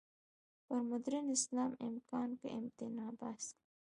پر «مډرن اسلام، امکان که امتناع؟» بحث کوو.